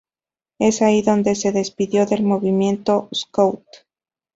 Es ahí donde se despidió del movimiento scout.